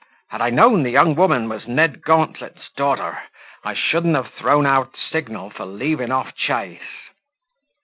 had I known the young woman was Ned Gauntlet's daughter, I shouldn't have thrown out signal for leaving off chase."